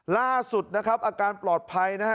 ล่าสุดนะครับอาการปลอดภัยนะฮะ